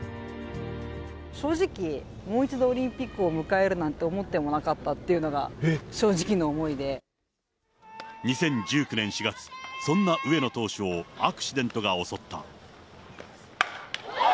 正直、もう一度オリンピックを迎えるなんて、思ってもなかったっていう２０１９年４月、そんな上野投手をアクシデントが襲った。